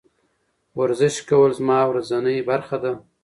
ورزش کول زما ورځنۍ برخه ده.